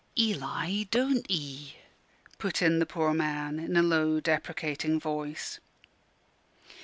"Eli, don't 'ee " put in the poor man, in a low, deprecating voice.